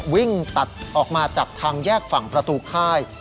วิ่งตัดออกมาจากทางแยกฝั่งประตูค่าย